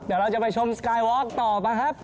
เดี๋ยวเราจะไปชมสกายวอล์กต่อมาครับ